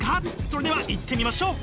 それではいってみましょう！